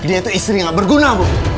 dia tuh istrinya berguna